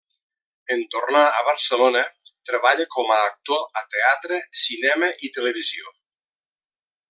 En tornar a Barcelona treballa com a actor a teatre, cinema i televisió.